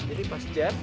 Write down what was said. jadi pas jab